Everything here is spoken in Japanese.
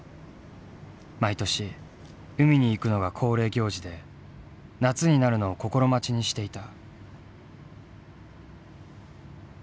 毎年海に行くのが恒例行事で夏になるのを心待ちにしていた。